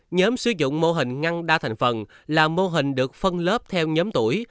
nhóm sử dụng mô hình ngăn đa thành phần là mô hình được phân lớp theo nhóm tuổi